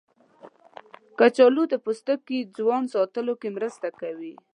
کچالو د پوستکي د ځوان ساتلو کې مرسته کوي.